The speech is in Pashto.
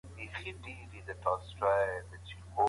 زه بايد رسم وکړم.